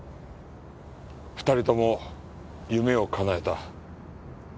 ２人とも夢をかなえた。